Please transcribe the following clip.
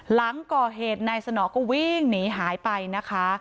หลังก่อเหตุนายสนอก็วิ่งหนีหายไปนะคะ